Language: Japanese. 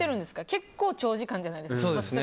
結構、長時間じゃないですか。